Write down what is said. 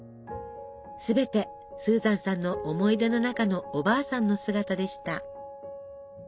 すべてスーザンさんの思い出の中のおばあさんの姿でした。